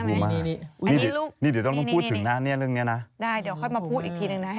ตรงนี้ลื้อพูดถึงหน้าเนี่ยเรื่องนี้นะได้เดี๋ยวมาพูดอีกทีนะ